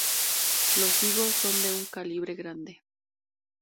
Los higos son de un calibre grande.